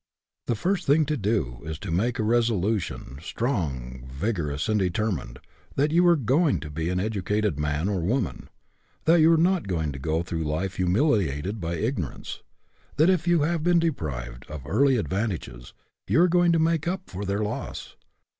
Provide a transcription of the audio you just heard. The first thing to do is to make a resolu tion, strong, vigorous, and determined, that you are going to be an educated man or woman ; that you are not going to go through life humiliated by ignorance ; that, if you have been deprived of early advantages, you are going to make up for their loss.